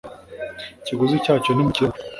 Ikiguzi cyacyo ntimukiyobewe.